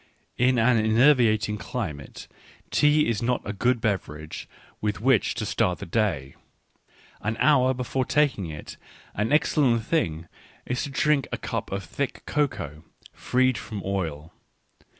In an enervating climate tea is not a good beverage with which to start the day : an hour before taking it an excellent thing is to drink a cup of thick cocoa, feed from oil.